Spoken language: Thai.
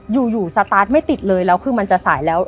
อยู่สตาร์ทไม่ติดเลยแล้วคือมันจะสายแล้ว